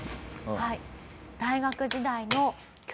はい。